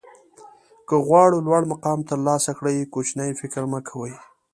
که غواړئ لوړ مقام ترلاسه کړئ کوچنی فکر مه کوئ.